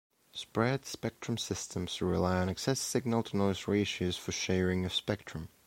Spread spectrum systems rely on excess signal to noise ratios for sharing of spectrum.